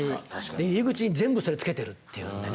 入り口に全部それ付けてるっていうんでね。